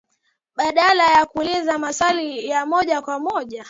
badala ya kuuliza maswali ya moja kwa moja